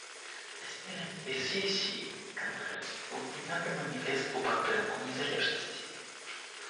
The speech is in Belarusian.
На снежаньскай сесіі кангрэсу быў прыняты маніфест ў падтрымку незалежнасці.